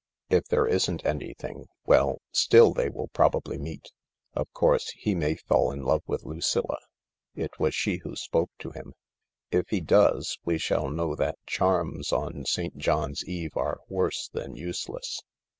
If there isnt anything— well, still they will probably meet. Of course he may fall in love with Lucilla —it was she who spoke to him. If he does, we shall know that charms on St. John's Eve are worse than useless.